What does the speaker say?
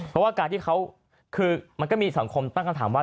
เพราะว่าการที่เขาคือมันก็มีสังคมตั้งคำถามว่า